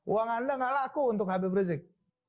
uang anda nggak laku untuk habib rizik